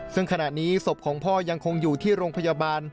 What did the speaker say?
ซึ่งขณะนี้ศพของพ่อยังคงอยู่ที่โรงพยาบาล